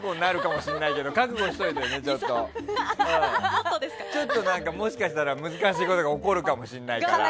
もしかしたら、難しいことが起こるかもしれないから。